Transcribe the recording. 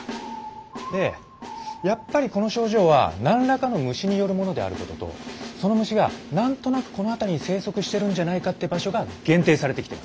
でやっぱりこの症状は何らかの虫によるものであることとその虫が何となくこの辺りに生息してるんじゃないかって場所が限定されてきてます。